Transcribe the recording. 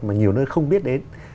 mà nhiều nơi không biết đến